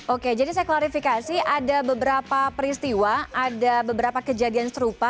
oke jadi saya klarifikasi ada beberapa peristiwa ada beberapa kejadian serupa